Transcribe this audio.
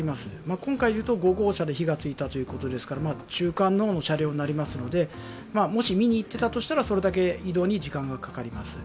今回で言うと５号車で火がついたということですから中間の車両になりますのでもし見に行っていたらとしたら、それだけ移動に時間がかかります。